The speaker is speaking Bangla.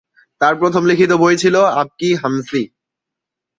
তার প্রথম লিখিত বই ছিল আপ কি হামসি।